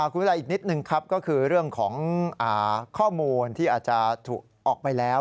คุณวิรัยอีกนิดนึงครับก็คือเรื่องของข้อมูลที่อาจจะถูกออกไปแล้ว